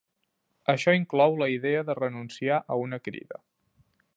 Això inclou la idea de renunciar a una crida.